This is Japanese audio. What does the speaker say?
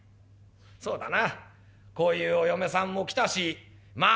そうだなこういうお嫁さんも来たしまあ